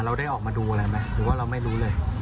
เราได้ออกมาดูอะไรไหมหรือว่าเราไม่รู้เลย